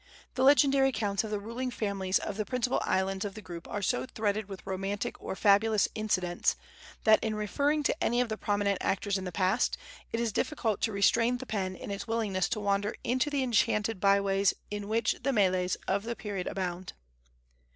The legendary accounts of the ruling families of the principal islands of the group are so threaded with romantic or fabulous incidents that, in referring to any of the prominent actors in the past, it is difficult to restrain the pen in its willingness to wander into the enchanted by ways in which the meles of the period abound.